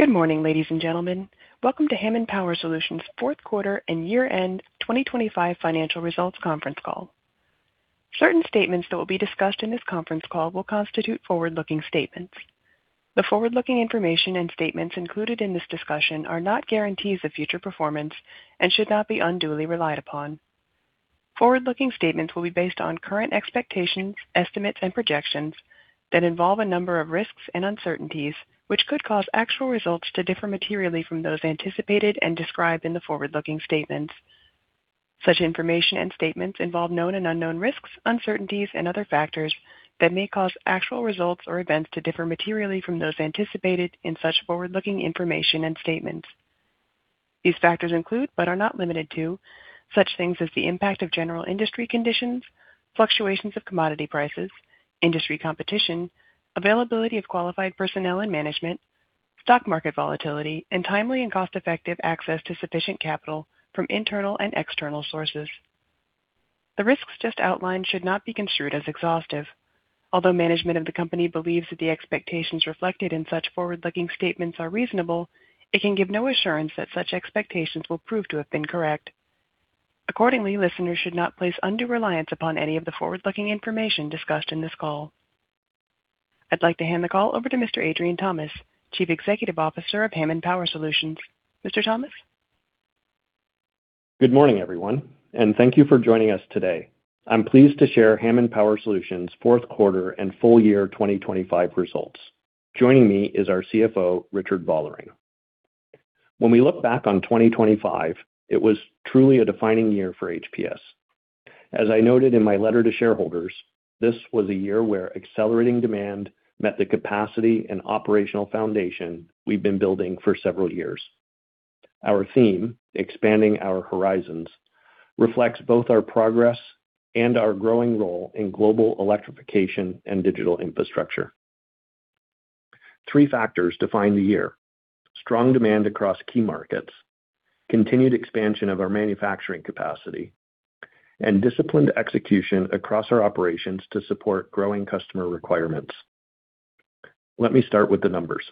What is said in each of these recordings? Good morning, ladies and gentlemen. Welcome to Hammond Power Solutions' fourth quarter and year-end 2025 financial results conference call. Certain statements that will be discussed in this conference call will constitute forward-looking statements. The forward-looking information and statements included in this discussion are not guarantees of future performance and should not be unduly relied upon. Forward-looking statements will be based on current expectations, estimates, and projections that involve a number of risks and uncertainties, which could cause actual results to differ materially from those anticipated and described in the forward-looking statements. Such information and statements involve known and unknown risks, uncertainties and other factors that may cause actual results or events to differ materially from those anticipated in such forward-looking information and statements. These factors include, but are not limited to, such things as the impact of general industry conditions, fluctuations of commodity prices, industry competition, availability of qualified personnel and management, stock market volatility, and timely and cost-effective access to sufficient capital from internal and external sources. The risks just outlined should not be construed as exhaustive. Although management of the company believes that the expectations reflected in such forward-looking statements are reasonable, it can give no assurance that such expectations will prove to have been correct. Accordingly, listeners should not place undue reliance upon any of the forward-looking information discussed in this call. I'd like to hand the call over to Mr. Adrian Thomas, Chief Executive Officer of Hammond Power Solutions. Mr. Thomas. Good morning, everyone, and thank you for joining us today. I'm pleased to share Hammond Power Solutions' fourth quarter and full year 2025 results. Joining me is our CFO, Richard Vollering. When we look back on 2025, it was truly a defining year for HPS. As I noted in my letter to shareholders, this was a year where accelerating demand met the capacity and operational foundation we've been building for several years. Our theme, Expanding Our Horizons, reflects both our progress and our growing role in global electrification and digital infrastructure. Three factors defined the year. Strong demand across key markets, continued expansion of our manufacturing capacity, and disciplined execution across our operations to support growing customer requirements. Let me start with the numbers.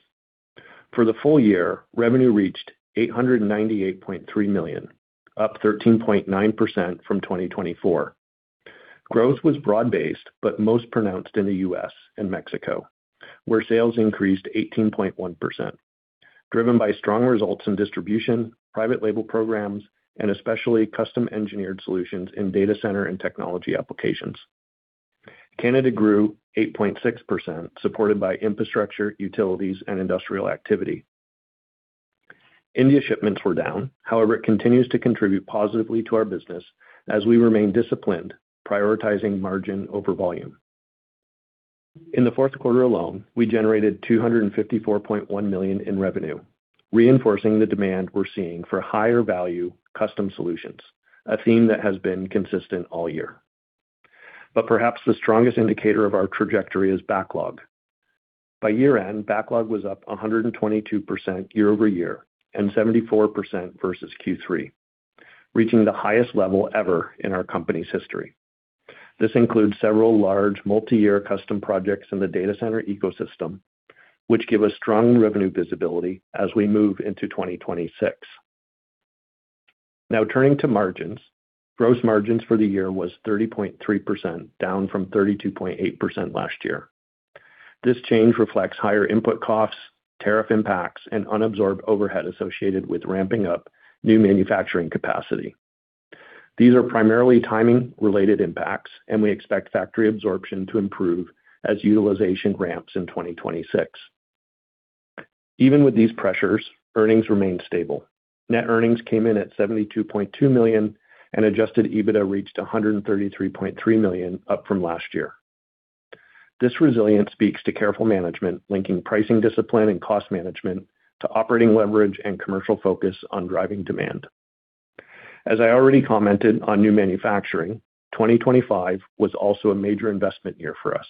For the full year, revenue reached 898.3 million, up 13.9% from 2024. Growth was broad-based, but most pronounced in the U.S. and Mexico, where sales increased 18.1%, driven by strong results in distribution, private label programs, and especially custom-engineered solutions in data center and technology applications. Canada grew 8.6%, supported by infrastructure, utilities, and industrial activity. India shipments were down. However, it continues to contribute positively to our business as we remain disciplined, prioritizing margin over volume. In the fourth quarter alone, we generated 254.1 million in revenue, reinforcing the demand we're seeing for higher value custom solutions, a theme that has been consistent all year. Perhaps the strongest indicator of our trajectory is backlog. By year-end, backlog was up 122% year-over-year and 74% versus Q3, reaching the highest level ever in our company's history. This includes several large multi-year custom projects in the data center ecosystem, which give us strong revenue visibility as we move into 2026. Now turning to margins. Gross margins for the year was 30.3%, down from 32.8% last year. This change reflects higher input costs, tariff impacts, and unabsorbed overhead associated with ramping up new manufacturing capacity. These are primarily timing-related impacts, and we expect factory absorption to improve as utilization ramps in 2026. Even with these pressures, earnings remained stable. Net earnings came in at 72.2 million, and adjusted EBITDA reached 133.3 million, up from last year. This resilience speaks to careful management, linking pricing discipline and cost management to operating leverage and commercial focus on driving demand. As I already commented on new manufacturing, 2025 was also a major investment year for us.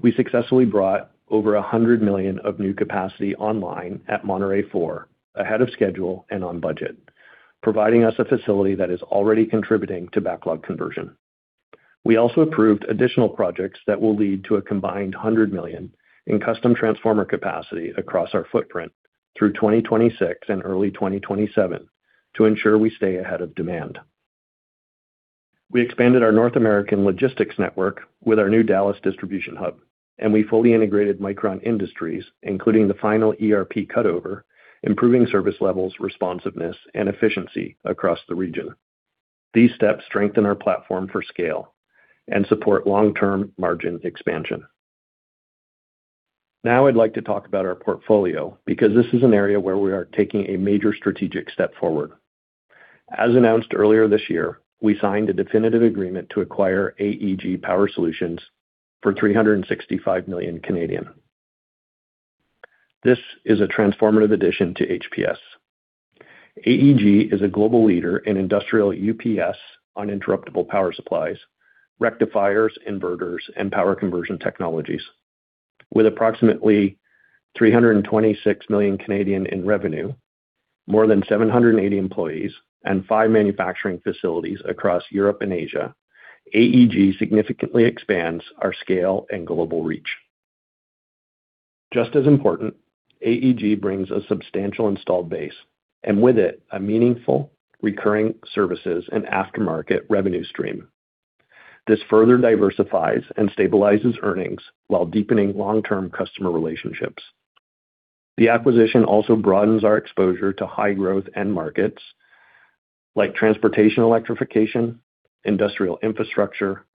We successfully brought over 100 million of new capacity online at Monterrey 4 ahead of schedule and on budget, providing us a facility that is already contributing to backlog conversion. We also approved additional projects that will lead to a combined 100 million in custom transformer capacity across our footprint through 2026 and early 2027 to ensure we stay ahead of demand. We expanded our North American logistics network with our new Dallas distribution hub, and we fully integrated Micron Industries, including the final ERP cutover, improving service levels, responsiveness, and efficiency across the region. These steps strengthen our platform for scale and support long-term margin expansion. Now I'd like to talk about our portfolio because this is an area where we are taking a major strategic step forward. As announced earlier this year, we signed a definitive agreement to acquire AEG Power Solutions for 365 million. This is a transformative addition to HPS. AEG is a global leader in industrial UPS, uninterruptible power supplies, rectifiers, inverters, and power conversion technologies. With approximately 326 million in revenue. More than 780 employees and 5 manufacturing facilities across Europe and Asia, AEG significantly expands our scale and global reach. Just as important, AEG brings a substantial installed base and with it, a meaningful recurring services and aftermarket revenue stream. This further diversifies and stabilizes earnings while deepening long-term customer relationships. The acquisition also broadens our exposure to high growth end markets like transportation electrification, industrial infrastructure,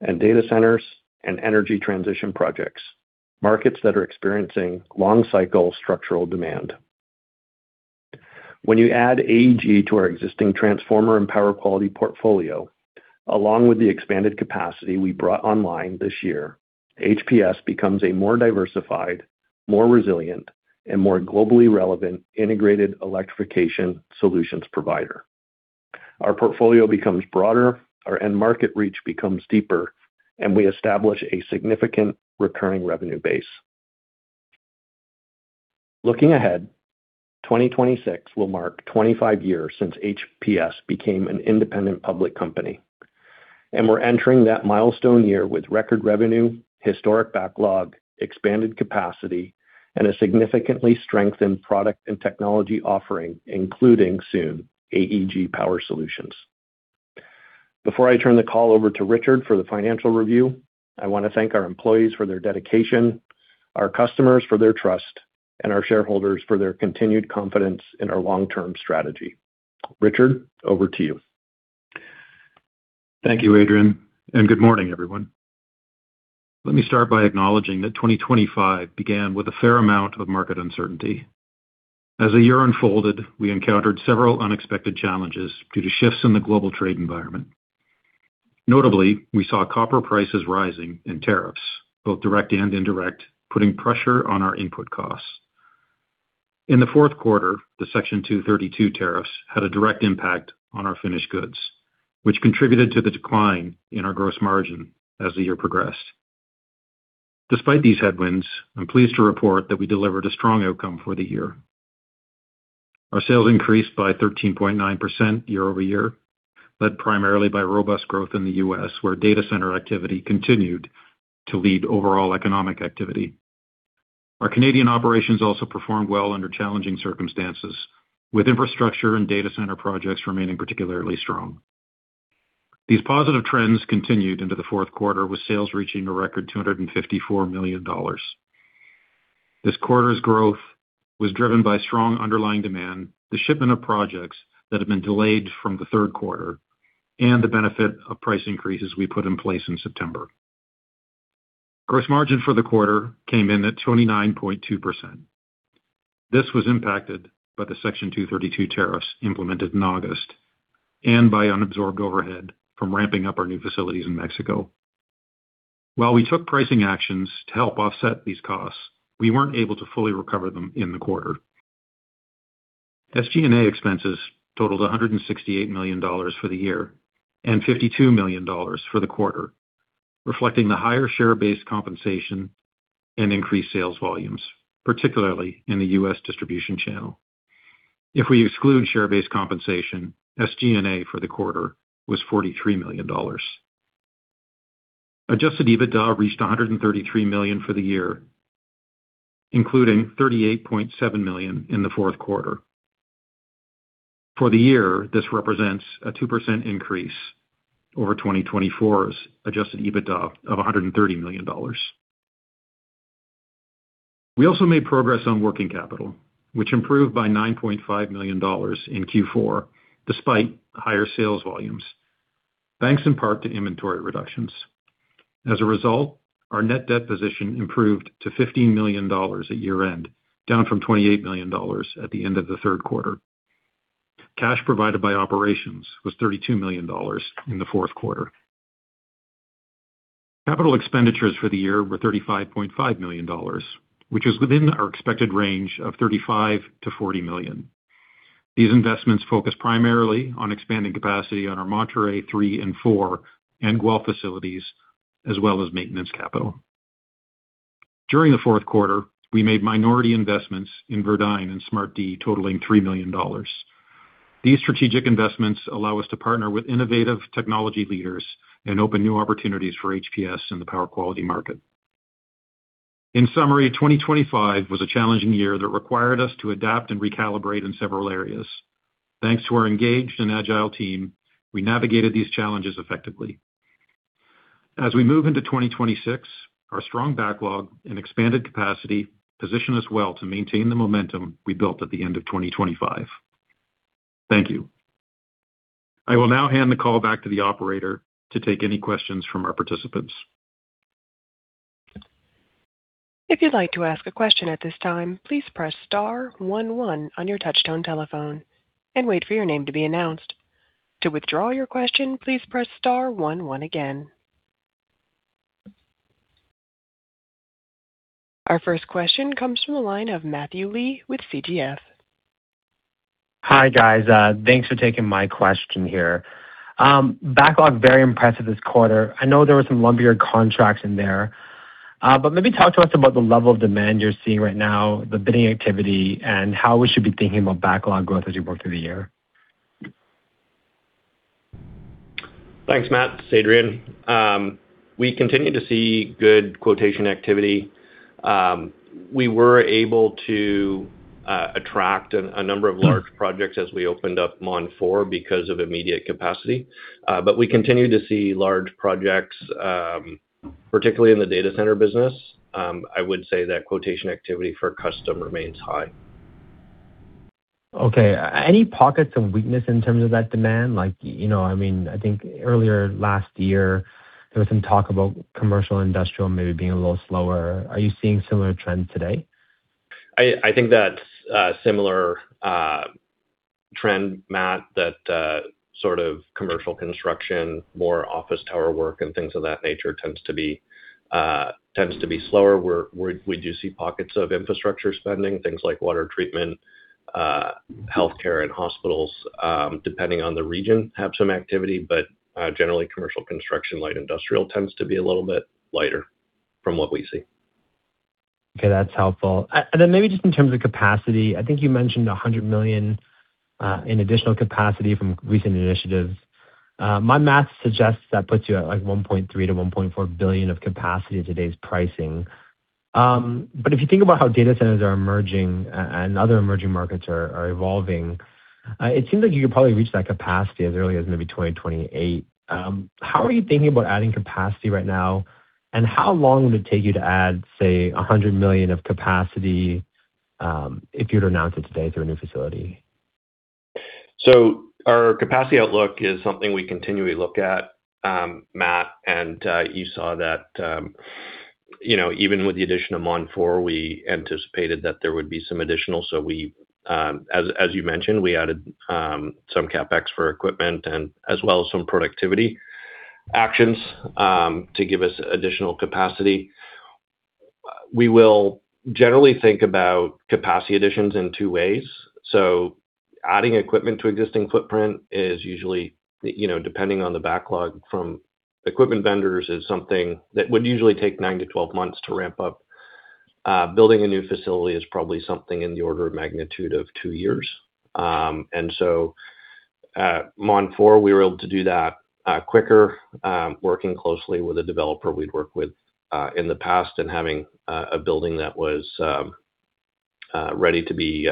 and data centers, and energy transition projects, markets that are experiencing long cycle structural demand. When you add AEG to our existing transformer and power quality portfolio, along with the expanded capacity we brought online this year, HPS becomes a more diversified, more resilient, and more globally relevant integrated electrification solutions provider. Our portfolio becomes broader, our end market reach becomes deeper, and we establish a significant recurring revenue base. Looking ahead, 2026 will mark 25 years since HPS became an independent public company, and we're entering that milestone year with record revenue, historic backlog, expanded capacity, and a significantly strengthened product and technology offering, including soon AEG Power Solutions. Before I turn the call over to Richard for the financial review, I want to thank our employees for their dedication, our customers for their trust, and our shareholders for their continued confidence in our long-term strategy. Richard, over to you. Thank you, Adrian, and good morning, everyone. Let me start by acknowledging that 2025 began with a fair amount of market uncertainty. As the year unfolded, we encountered several unexpected challenges due to shifts in the global trade environment. Notably, we saw copper prices rising and tariffs, both direct and indirect, putting pressure on our input costs. In the fourth quarter, the Section 232 tariffs had a direct impact on our finished goods, which contributed to the decline in our gross margin as the year progressed. Despite these headwinds, I'm pleased to report that we delivered a strong outcome for the year. Our sales increased by 13.9% year-over-year, led primarily by robust growth in the US, where data center activity continued to lead overall economic activity. Our Canadian operations also performed well under challenging circumstances, with infrastructure and data center projects remaining particularly strong. These positive trends continued into the fourth quarter, with sales reaching a record $254 million. This quarter's growth was driven by strong underlying demand, the shipment of projects that had been delayed from the third quarter, and the benefit of price increases we put in place in September. Gross margin for the quarter came in at 29.2%. This was impacted by the Section 232 tariffs implemented in August and by unabsorbed overhead from ramping up our new facilities in Mexico. While we took pricing actions to help offset these costs, we weren't able to fully recover them in the quarter. SG&A expenses totaled 168 million dollars for the year and 52 million dollars for the quarter, reflecting the higher share-based compensation and increased sales volumes, particularly in the U.S. distribution channel. If we exclude share-based compensation, SG&A for the quarter was 43 million dollars. Adjusted EBITDA reached 133 million for the year, including 38.7 million in the fourth quarter. For the year, this represents a 2% increase over 2024's adjusted EBITDA of 130 million dollars. We also made progress on working capital, which improved by 9.5 million dollars in Q4, despite higher sales volumes, thanks in part to inventory reductions. As a result, our net debt position improved to 15 million dollars at year-end, down from 28 million dollars at the end of the third quarter. Cash provided by operations was 32 million dollars in the fourth quarter. Capital expenditures for the year were 35.5 million dollars, which is within our expected range of 35 million-40 million. These investments focus primarily on expanding capacity on our Monterrey 3 and 4 and Guelph facilities, as well as maintenance capital. During the fourth quarter, we made minority investments in Verdyn and SmartD totaling 3 million dollars. These strategic investments allow us to partner with innovative technology leaders and open new opportunities for HPS in the power quality market. In summary, 2025 was a challenging year that required us to adapt and recalibrate in several areas. Thanks to our engaged and agile team, we navigated these challenges effectively. As we move into 2026, our strong backlog and expanded capacity position us well to maintain the momentum we built at the end of 2025. Thank you. I will now hand the call back to the operator to take any questions from our participants. If you'd like to ask a question at this time, please press star one one on your touchtone telephone and wait for your name to be announced. To withdraw your question, please press star one one again. Our first question comes from the line of Matthew Lee with CGF. Hi, guys. Thanks for taking my question here. Backlog, very impressive this quarter. I know there were some lumpier contracts in there. But maybe talk to us about the level of demand you're seeing right now, the bidding activity, and how we should be thinking about backlog growth as you work through the year. Thanks, Matt. It's Adrian. We continue to see good quotation activity. We were able to attract a number of large projects as we opened up Monterrey 4 because of immediate capacity. We continue to see large projects, particularly in the data center business. I would say that quotation activity for custom remains high. Okay. Any pockets of weakness in terms of that demand? Like, you know, I mean, I think earlier last year, there was some talk about commercial industrial maybe being a little slower. Are you seeing similar trends today? I think that's a similar trend, Matt, that sort of commercial construction, more office tower work and things of that nature tends to be slower. We do see pockets of infrastructure spending, things like water treatment, healthcare and hospitals, depending on the region, have some activity. Generally, commercial construction, light industrial tends to be a little bit lighter from what we see. Okay, that's helpful. And then maybe just in terms of capacity, I think you mentioned 100 million in additional capacity from recent initiatives. My math suggests that puts you at, like, 1.3 billion-1.4 billion of capacity at today's pricing. But if you think about how data centers are emerging and other emerging markets are evolving, it seems like you could probably reach that capacity as early as maybe 2028. How are you thinking about adding capacity right now, and how long would it take you to add, say, 100 million of capacity, if you were to announce it today through a new facility? Our capacity outlook is something we continually look at, Matt. You saw that, you know, even with the addition of Monterrey 4, we anticipated that there would be some additional. As you mentioned, we added some CapEx for equipment and as well as some productivity actions to give us additional capacity. We will generally think about capacity additions in two ways. Adding equipment to existing footprint is usually, you know, depending on the backlog from equipment vendors, something that would usually take 9-12 months to ramp up. Building a new facility is probably something in the order of magnitude of 2 years. At Monterrey 4, we were able to do that quicker, working closely with a developer we'd worked with in the past and having a building that was ready to be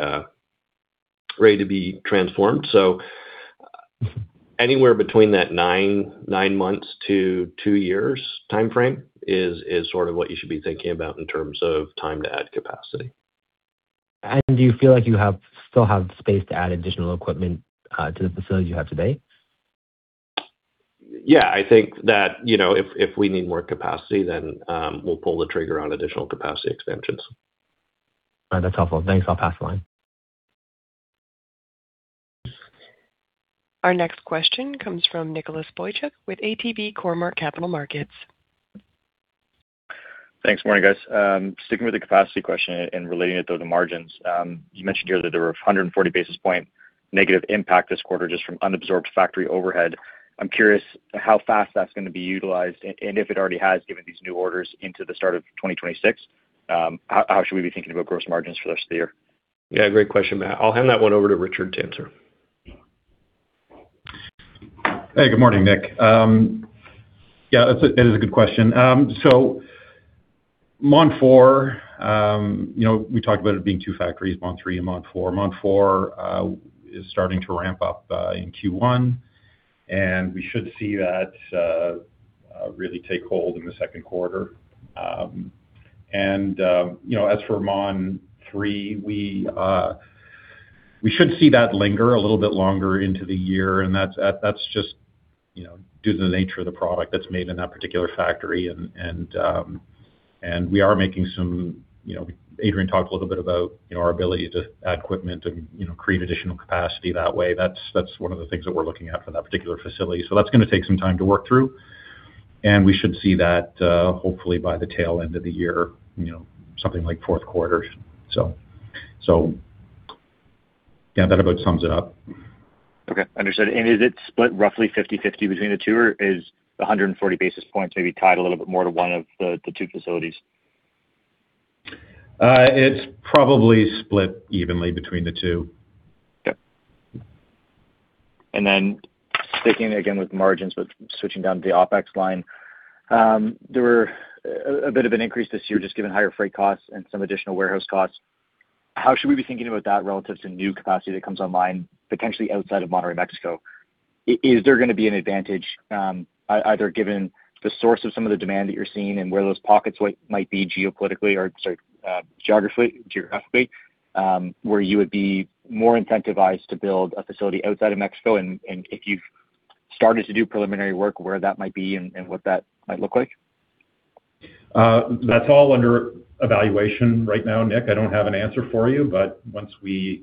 transformed. Anywhere between that nine months to two years timeframe is sort of what you should be thinking about in terms of time to add capacity. Do you feel like you still have space to add additional equipment to the facilities you have today? Yeah. I think that, you know, if we need more capacity then, we'll pull the trigger on additional capacity expansions. All right. That's helpful. Thanks. I'll pass the line. Our next question comes from Nicholas Boychuk with ATB Capital Markets. Thanks. Morning, guys. Sticking with the capacity question and relating it though to margins, you mentioned here that there were 140 basis point negative impact this quarter just from unabsorbed factory overhead. I'm curious how fast that's gonna be utilized and if it already has, given these new orders into the start of 2026, how should we be thinking about gross margins for the rest of the year? Yeah, great question, Matt. I'll hand that one over to Richard to answer. Hey, good morning, Nick. Yeah, that's a good question. So, Monterrey 4, you know, we talked about it being two factories, Monterrey 3 and Monterrey 4. Monterrey 4 is starting to ramp up in Q1, and we should see that really take hold in the second quarter. You know, as for Monterrey 3, we should see that linger a little bit longer into the year, and that's just, you know, due to the nature of the product that's made in that particular factory. We are making some. You know, Adrian talked a little bit about, you know, our ability to add equipment and, you know, create additional capacity that way. That's one of the things that we're looking at for that particular facility. That's gonna take some time to work through. We should see that, hopefully by the tail end of the year, you know, something like fourth quarter. Yeah, that about sums it up. Okay. Understood. Is it split roughly 50-50 between the two, or is there a 140 basis points maybe tied a little bit more to one of the two facilities? It's probably split evenly between the two. Okay. Sticking again with margins, but switching down to the OpEx line, there were a bit of an increase this year just given higher freight costs and some additional warehouse costs. How should we be thinking about that relative to new capacity that comes online, potentially outside of Monterrey, Mexico? Is there gonna be an advantage, either given the source of some of the demand that you're seeing and where those pockets might be geopolitically or sort of geographically, where you would be more incentivized to build a facility outside of Mexico, and if you've started to do preliminary work, where that might be and what that might look like? That's all under evaluation right now, Nick. I don't have an answer for you. Once we've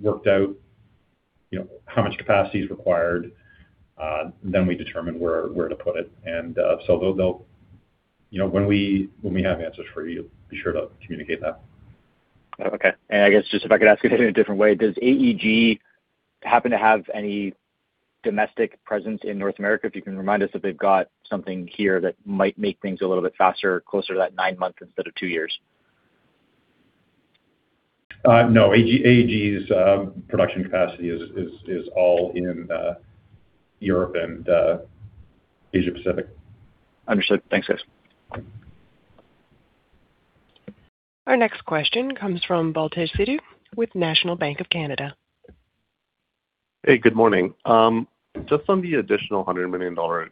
worked out, you know, how much capacity is required, then we determine where to put it. You know, when we have answers for you, be sure to communicate that. Oh, okay. I guess just if I could ask it in a different way, does AEG happen to have any domestic presence in North America? If you can remind us if they've got something here that might make things a little bit faster, closer to that nine months instead of two years? No. AEG's production capacity is all in Europe and Asia Pacific. Understood. Thanks, guys. Our next question comes from Baltej Sidhu with National Bank of Canada. Hey, good morning. Just on the additional 100 million dollar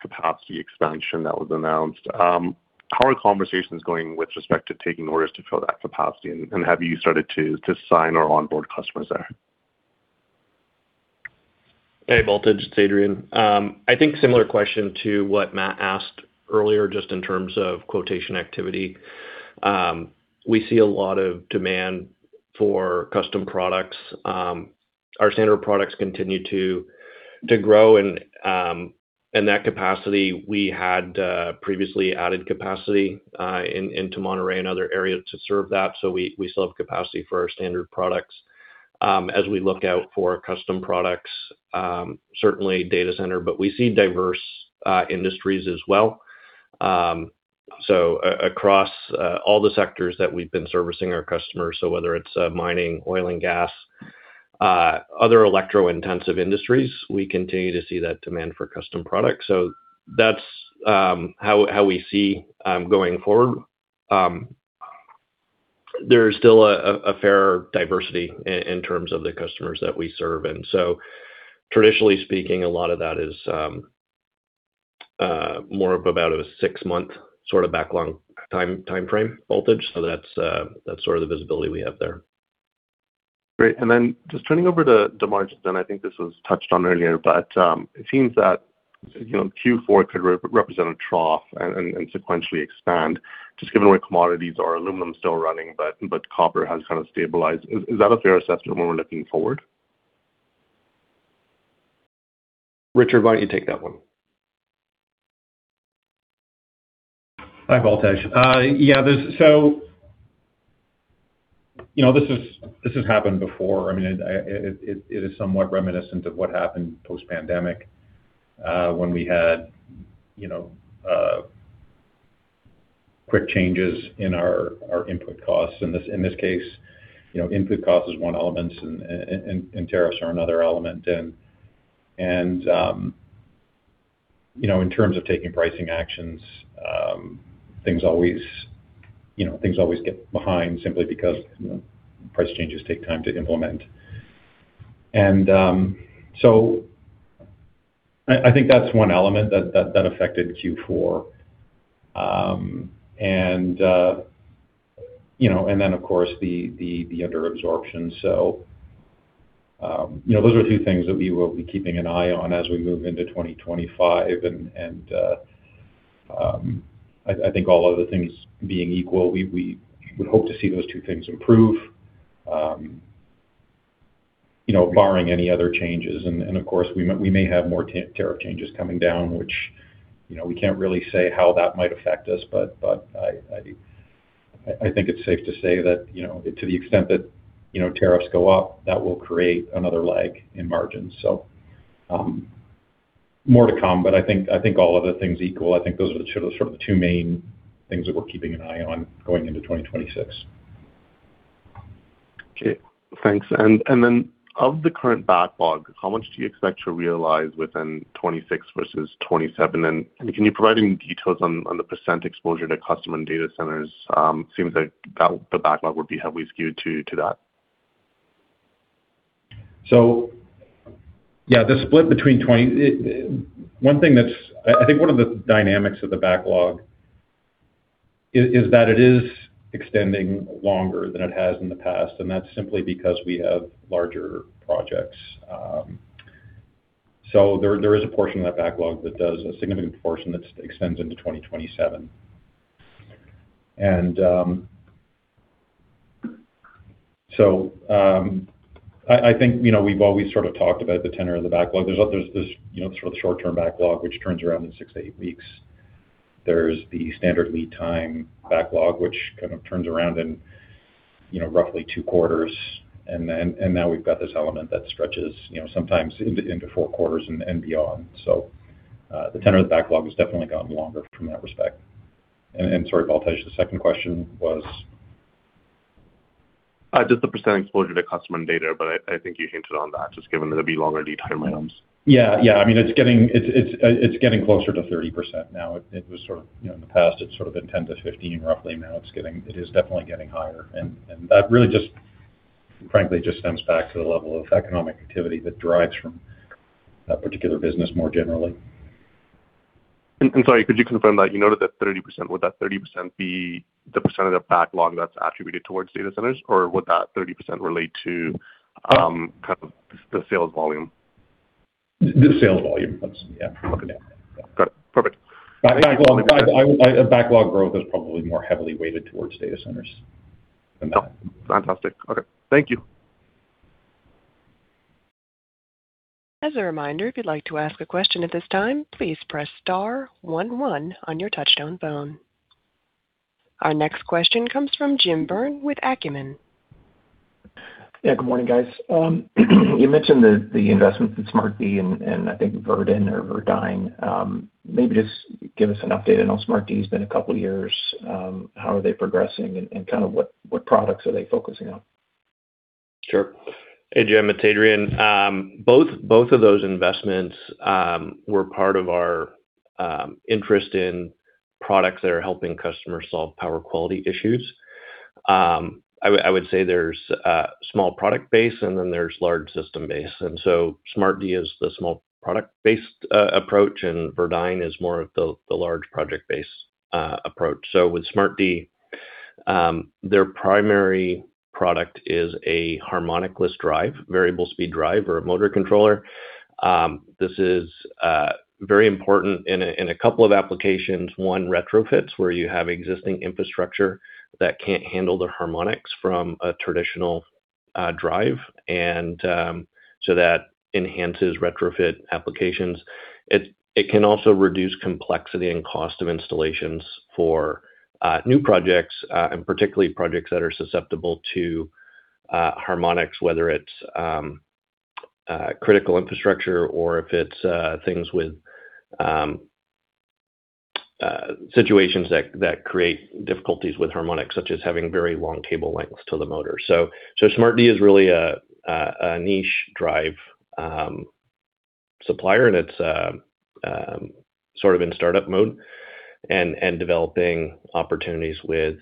capacity expansion that was announced, how are conversations going with respect to taking orders to fill that capacity? Have you started to sign on or onboard customers there? Hey, Baltej, it's Adrian. I think similar question to what Matthew asked earlier, just in terms of quotation activity. We see a lot of demand for custom products. Our standard products continue to grow and, in that capacity we had previously added capacity into Monterrey and other areas to serve that, so we still have capacity for our standard products. As we look out for custom products, certainly data center, but we see diverse industries as well. Across all the sectors that we've been servicing our customers, whether it's mining, oil and gas, other electro-intensive industries, we continue to see that demand for custom products. That's how we see going forward. There's still a fair diversity in terms of the customers that we serve. Traditionally speaking, a lot of that is more of about a six-month sort of backlog timeframe, Baltej. That's sort of the visibility we have there. Great. Then just turning over to the margin, I think this was touched on earlier, but it seems that, you know, Q4 could represent a trough and sequentially expand, just given where commodities are. Aluminum's still running, but copper has kind of stabilized. Is that a fair assessment when we're looking forward? Richard, why don't you take that one? Hi, Baltej. You know, this has happened before. I mean, it is somewhat reminiscent of what happened post-pandemic, when we had, you know, quick changes in our input costs. In this case, you know, input cost is one element and tariffs are another element. You know, in terms of taking pricing actions, things always get behind simply because, you know, price changes take time to implement. I think that's one element that affected Q4. You know, and then of course the under absorption. You know, those are two things that we will be keeping an eye on as we move into 2025. I think all other things being equal, we would hope to see those two things improve, you know, barring any other changes. Of course, we may have more tariff changes coming down, which, you know, we can't really say how that might affect us. I think it's safe to say that, you know, to the extent that, you know, tariffs go up, that will create another lag in margins. More to come, but I think all other things equal, I think those are the two main things that we're keeping an eye on going into 2026. Okay, thanks. Of the current backlog, how much do you expect to realize within 2026 versus 2027? Can you provide any details on the percent exposure to customer and data centers? Seems like that the backlog would be heavily skewed to that. One thing I think one of the dynamics of the backlog is that it is extending longer than it has in the past, and that's simply because we have larger projects. There is a portion of that backlog, a significant portion that extends into 2027. I think, you know, we've always sort of talked about the tenor of the backlog. There's this, you know, sort of short-term backlog, which turns around in six to eight weeks. There's the standard lead time backlog, which kind of turns around in, you know, roughly two quarters. Now we've got this element that stretches, you know, sometimes into four quarters and beyond. The tenor of the backlog has definitely gotten longer in that respect. Sorry, Baltej, the second question was? Just the percent exposure to customer and data, but I think you hinted on that just given that it'll be longer lead time items. Yeah. I mean, it's getting closer to 30% now. It was sort of, you know, in the past it's sort of been 10%-15% roughly. It is definitely getting higher. That really just, frankly, just stems back to the level of economic activity that derives from that particular business more generally. Sorry, could you confirm that you noted that 30%, would that 30% be the percent of the backlog that's attributed towards data centers, or would that 30% relate to kind of the sales volume? The sales volume, yeah. Okay. Got it. Perfect. Backlog growth is probably more heavily weighted towards data centers than that. Fantastic. Okay. Thank you. As a reminder, if you'd like to ask a question at this time, please press star one one on your touchtone phone. Our next question comes from Jim Byrne with Acumen. Yeah, good morning, guys. You mentioned the investments in SmartD and I think Verdyn. Maybe just give us an update on SmartD. It's been a couple years. How are they progressing and kind of what products are they focusing on? Sure. Hey, Jim, it's Adrian. Both of those investments were part of our interest in products that are helping customers solve power quality issues. I would say there's a small product base, and then there's large system base. SmartD is the small product base approach, and Verdyn is more of the large project base approach. With SmartD, their primary product is a harmonic-less drive, variable speed drive or a motor controller. This is very important in a couple of applications. One, retrofits, where you have existing infrastructure that can't handle the harmonics from a traditional drive. That enhances retrofit applications. It can also reduce complexity and cost of installations for new projects, and particularly projects that are susceptible to harmonics, whether it's critical infrastructure or if it's things with situations that create difficulties with harmonics, such as having very long cable lengths to the motor. SmartD is really a niche drive supplier, and it's sort of in startup mode and developing opportunities with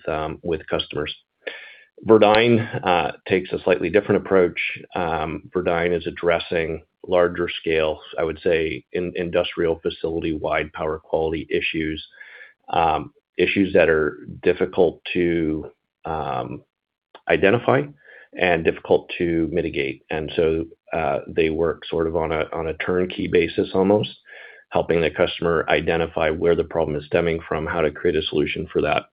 customers. Verdyn takes a slightly different approach. Verdyn is addressing larger scale, I would say, in industrial facility-wide power quality issues that are difficult to identify and difficult to mitigate. They work sort of on a turnkey basis almost, helping the customer identify where the problem is stemming from, how to create a solution for that.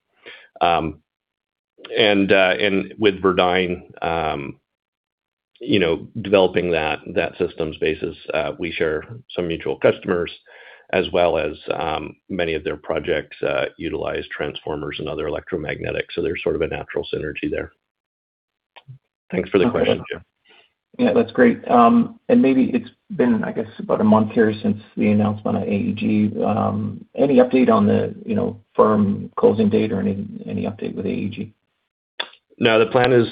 With Verdyn, you know, developing that systems basis, we share some mutual customers as well as many of their projects utilize transformers and other electromagnetics, so there's sort of a natural synergy there. Thanks for the question, Jim. Yeah, that's great. Maybe it's been, I guess, about a month here since the announcement of AEG. Any update on the, you know, firm closing date or any update with AEG? No, the plan is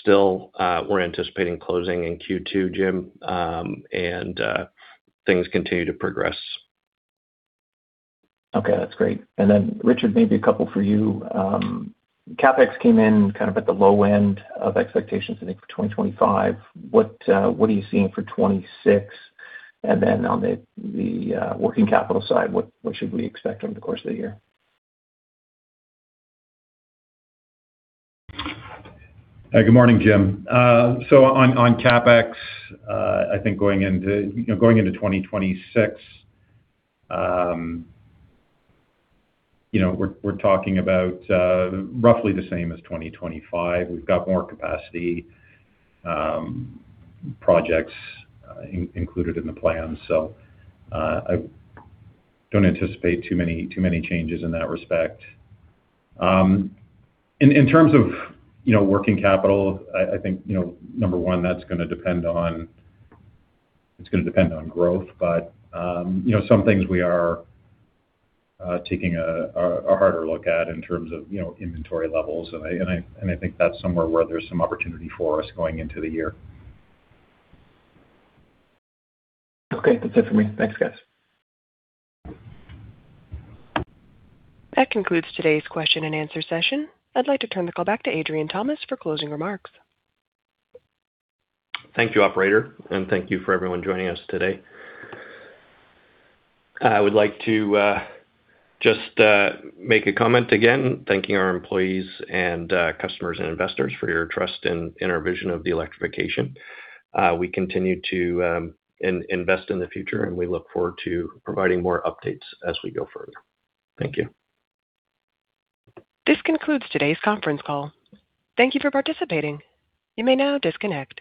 still, we're anticipating closing in Q2, Jim. Things continue to progress. Okay, that's great. Richard, maybe a couple for you. CapEx came in kind of at the low end of expectations, I think, for 2025. What are you seeing for 2026? On the working capital side, what should we expect over the course of the year? Good morning, Jim. On CapEx, I think going into, you know, going into 2026, you know, we're talking about roughly the same as 2025. We've got more capacity projects included in the plans. I don't anticipate too many changes in that respect. In terms of, you know, working capital, I think, you know, number one, that's gonna depend on growth. Some things we are taking a harder look at in terms of, you know, inventory levels. I think that's somewhere where there's some opportunity for us going into the year. Okay. That's it for me. Thanks, guys. That concludes today's question and answer session. I'd like to turn the call back to Adrian Thomas for closing remarks. Thank you, operator, and thank you for everyone joining us today. I would like to just make a comment again, thanking our employees and customers and investors for your trust in our vision of the electrification. We continue to invest in the future, and we look forward to providing more updates as we go further. Thank you. This concludes today's conference call. Thank you for participating. You may now disconnect.